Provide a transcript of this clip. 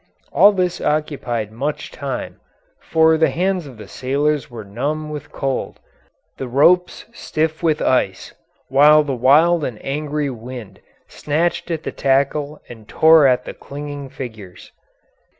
All this occupied much time, for the hands of the sailors were numb with cold, the ropes stiff with ice, while the wild and angry wind snatched at the tackle and tore at the clinging figures.